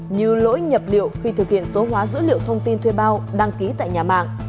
như lỗi nhập liệu khi thực hiện số hóa dữ liệu thông tin thuê bao đăng ký tại nhà mạng